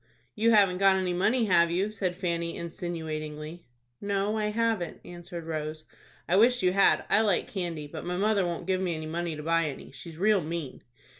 "You haven't got any money, have you?" said Fanny, insinuatingly. "No, I haven't," answered Rose. "I wish you had. I like candy, but mother won't give me any money to buy any. She's real mean."